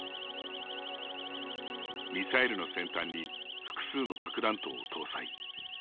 ミサイルの先端に複数の核弾頭を搭載。